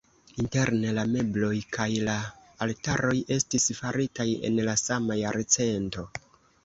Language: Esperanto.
Interne la mebloj kaj la altaroj estis faritaj en la sama jarcento.